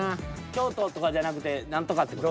京都とかじゃなくて何とかっていう事？